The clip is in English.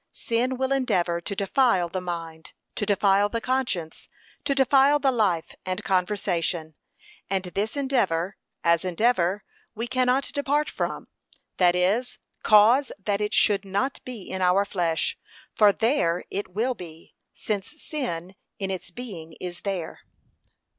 Sin will endeavour to defile the mind, to defile the conscience, to defile the life and conversation; and this endeavour, as endeavour, we cannot depart from; that is, cause that it should not be in our flesh; for there it will be, since sin in its being is there.